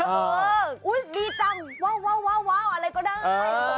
เอออุ๊ยดีจังว้าวว้าวว้าวว้าวอะไรก็ได้อ่า